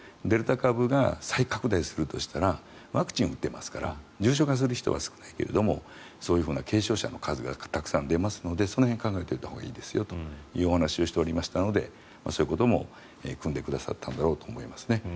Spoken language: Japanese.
デルタ株が再拡大するとしたらワクチンを打ってますから重症化する人は少ないけれどもそういう軽症者の数がたくさん出ますのでその辺を考えておいたほうがいいですよというお話をされておりましたのでそういうこともくんでくださったんだろうと思いますね。